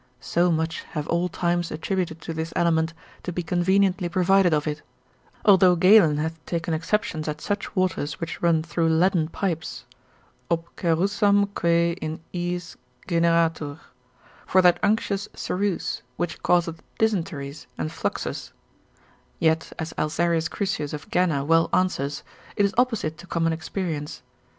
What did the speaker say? So much have all times attributed to this element, to be conveniently provided of it: although Galen hath taken exceptions at such waters, which run through leaden pipes, ob cerussam quae in iis generatur, for that unctuous ceruse, which causeth dysenteries and fluxes; yet as Alsarius Crucius of Genna well answers, it is opposite to common experience.